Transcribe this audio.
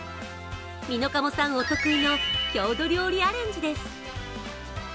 ｍｉｎｏｋａｍｏさんお得意の郷土料理アレンジです。